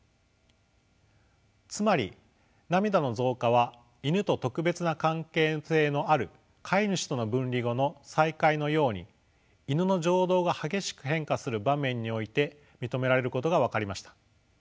つまり涙の増加はイヌと特別な関係性のある飼い主との分離後の再会のようにイヌの情動が激しく変化する場面において認められることが分かりました。